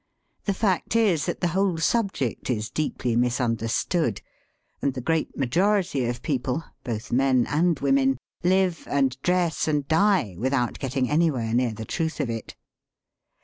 The fact is that the whole subject is deeply misunder stood, and the great majority of people, both men and women, live and dress and die without getting anywhere near the truth of it.